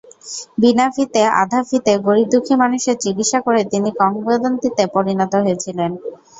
বিনা ফিতে, আধা ফিতে গরিব-দুঃখী মানুষের চিকিৎসা করে তিনি কিংবদন্তিতে পরিণত হয়েছিলেন।